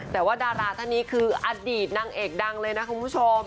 แต่ว่าดาราท่านนี้คืออดีตนางเอกดังเลยนะคุณผู้ชม